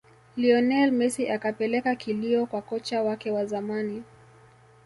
lionel messi akapeleka kilio kwa kocha wake wa zamani